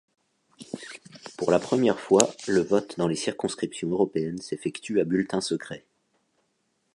Pour la première fois, le vote dans les circonscriptions 'européennes' s'effectue à bulletin secret.